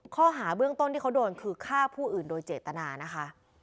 ข้อหาเบื้องต้นที่เขาโดนคือฆ่าผู้อื่นโดยเจตนานะคะ